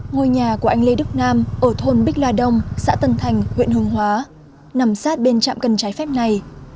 ngôi nhà của anh lê đức nam ở thôn bích la đông xã tân thành huyện hương hóa nằm sát bên trạm cân trái phép này